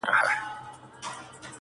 • هغه ښکار وو د ده غار ته ورغلی-